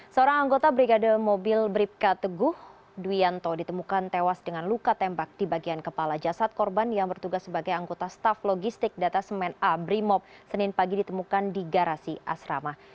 seorang anggota brigade mobil bribka teguh duyanto ditemukan tewas dengan luka tembak di bagian kepala jasad korban yang bertugas sebagai anggota staf logistik data semen a brimob senin pagi ditemukan di garasi asrama